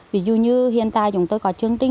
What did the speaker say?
vì dù như hiện tại chúng tôi không có khách trở lại